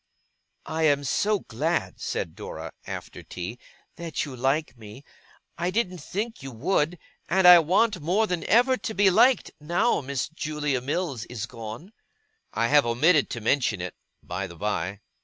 'I am so glad,' said Dora, after tea, 'that you like me. I didn't think you would; and I want, more than ever, to be liked, now Julia Mills is gone.' I have omitted to mention it, by the by.